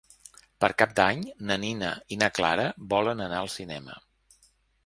Per Cap d'Any na Nina i na Clara volen anar al cinema.